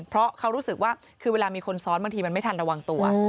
เพราะเขารู้สึกว่าคือเวลามีคนซ้อนบางทีมันไม่ทันระวังตัว